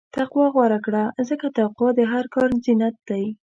تقوی غوره کړه، ځکه تقوی د هر کار زینت دی.